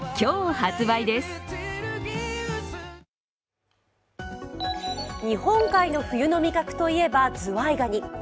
日本海の冬の味覚といえばズワイガニ。